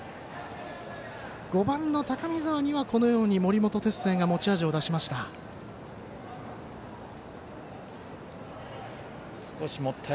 ５番の高見澤には森本哲星が持ち味を出しました。